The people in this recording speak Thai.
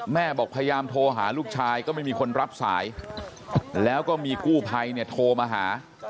แม่บอกพยายามโทรหาลูกชายก็ไม่มีคนรับสายแล้วก็มีกู้ภัยเนี่ยโทรมาหา